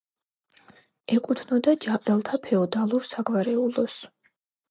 ეკუთვნოდა ჯაყელთა ფეოდალურ საგვარეულოს.